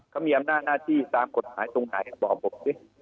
เขามีอำนาจหน้าที่ตามกฎหมายตรงไหนบอกผมสิ